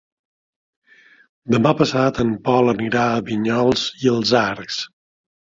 Demà passat en Pol anirà a Vinyols i els Arcs.